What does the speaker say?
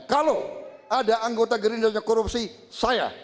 kalau ada anggota gerindra yang korupsi saya